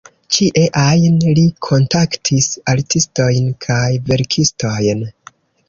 Ĉie ajn li kontaktis artistojn kaj verkistojn.